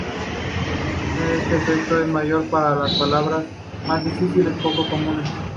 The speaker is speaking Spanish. Este efecto es mayor para las palabras más difíciles o poco comunes.